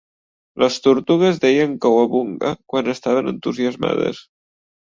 Les tortugues deien "cowabunga" quan estaven entusiasmades.